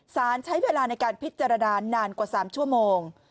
สารใช้เวลาในการพิจารณานานกว่า๓ชั่วโมง